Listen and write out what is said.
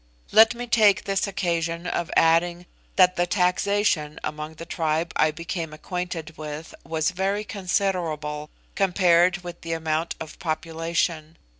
Let me take this occasion of adding that the taxation among the tribe I became acquainted with was very considerable, compared with the amount of population.